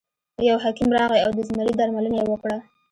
یو حکیم راغی او د زمري درملنه یې وکړه.